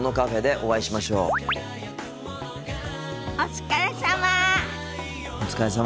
お疲れさま。